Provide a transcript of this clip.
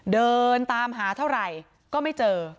เดินตามหาเท่าไหร่ก็ไม่เจอ